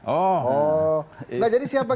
oh nah jadi siapa